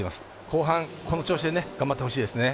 後半この調子でね頑張ってほしいですね。